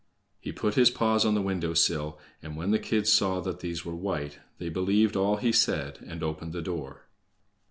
He put his paws on the window sill, and when the kids saw that these were white, they believed all he said and opened the door.